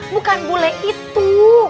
bukan bule itu